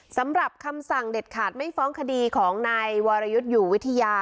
สำหรับคำสั่งเด็ดขาดไม่ฟ้องคดีของนายวรยุทธ์อยู่วิทยา